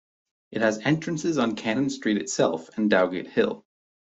It has entrances on Cannon Street itself and Dowgate Hill.